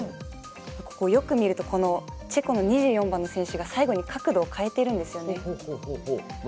よく見るとチェコの２４番の選手が最後に角度を変えているんですよね。